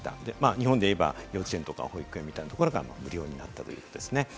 日本でいえば、幼稚園とか保育園みたいなところが無料になったということです。